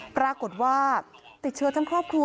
ปรากฏว่าติดเชื้อทั้งครอบครัว